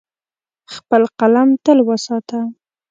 خپل قلم تل وساته.